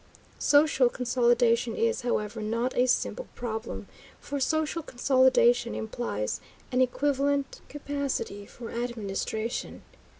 Social consolidation is, however, not a simple problem, for social consolidation implies an equivalent capacity for administration.